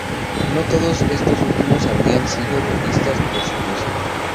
No todos estos últimos habrían sido turistas, por supuesto.